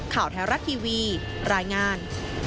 ข่าวแท้รัฐทีวีรายงาน